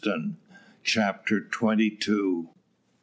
CHAPTER TWENTY TWO.